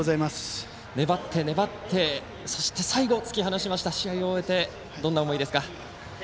粘って粘って、そして最後突き放しました、試合を終えてどんな思いですか？